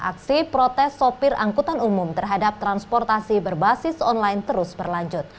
aksi protes sopir angkutan umum terhadap transportasi berbasis online terus berlanjut